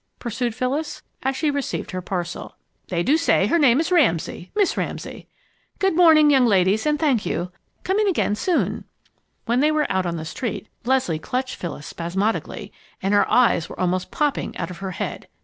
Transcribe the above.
pursued Phyllis, as she received her parcel. "They do say her name is Ramsay Miss Ramsay. Good morning, young ladies, and thank you. Come in again soon." When they were out on the street, Leslie clutched Phyllis spasmodically and her eyes were almost popping out of her head.